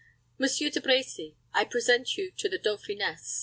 Monsieur De Brecy, I present you to the dauphiness."